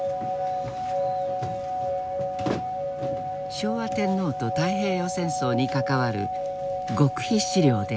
昭和天皇と太平洋戦争に関わる極秘資料である。